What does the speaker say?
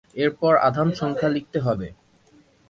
এরপর আধান সংখ্যা লিখতে হবে।